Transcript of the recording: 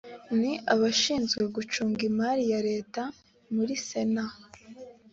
ni abashinzwe gucunga imari ya leta muri sena